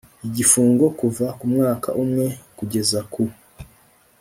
igifungo kuva ku mwaka umwe kugeza ku